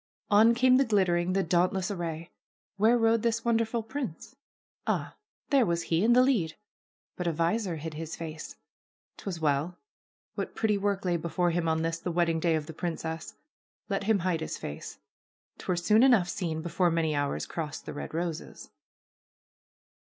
On came the glittering, the dauntless array. Where rode this wonderful prince? Ah, there was he, in the lead! But a visor hid his face. 'Twas well. What pretty work lay before him on this, the wedding day of the princess! Let him hide his face. 'Twere soon enough seen before many hours crossed the red roses.